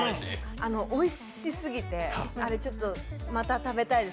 おいしすぎて、また食べたいです。